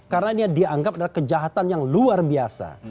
karena dia dianggap adalah kejahatan yang luar biasa